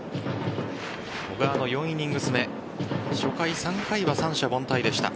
小川の４イニングス目初回、３回は三者凡退でした。